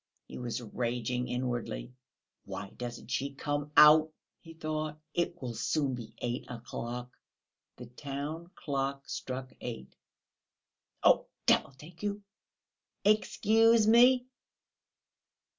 He was raging inwardly. "Why doesn't she come out?" he thought. "It will soon be eight o'clock." The town clock struck eight. "Oh, devil take you!" "Excuse me!..."